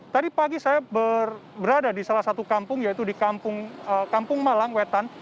tadi pagi saya berada di salah satu kampung yaitu di kampung malang wetan